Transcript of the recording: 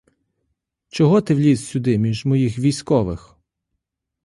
Чого ти вліз сюди між моїх військових?